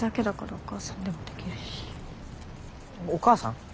お母さん？